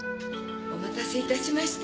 お待たせいたしました。